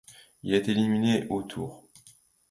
Elle est éliminée au tour.